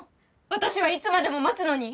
私はいつまでも待つのに！